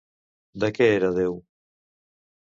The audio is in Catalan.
De què era déu?